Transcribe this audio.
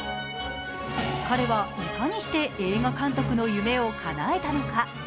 彼はいかにして映画監督の夢をかなえたのか。